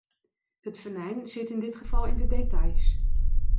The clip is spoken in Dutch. Het venijn zit in dit geval in de details.